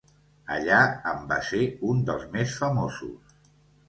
Allà en va ser un dels més famosos.